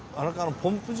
ポンプ場？